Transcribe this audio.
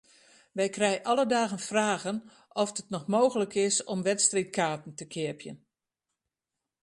Wy krije alle dagen fragen oft it noch mooglik is om wedstriidkaarten te keapjen.